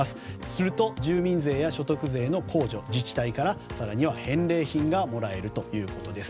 すると、住民税や所得税の控除や更には自治体から返礼品がもらえるということです。